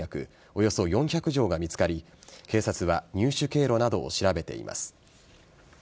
およそ４００錠が見つかり警察は入手経路などを調べています。